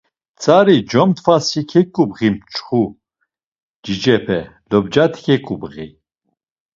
Tzari comtfasi ǩeǩubği mçxu cicepe, lobcati ǩeǩubği.